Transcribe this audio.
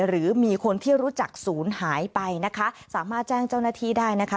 หรือมีคนที่รู้จักศูนย์หายไปนะคะสามารถแจ้งเจ้าหน้าที่ได้นะคะ